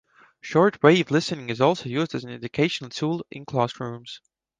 Shortwave listening is also used as an educational tool in classrooms.